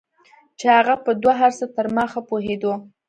چې هغه په دو هرڅه تر ما ښه پوهېدو.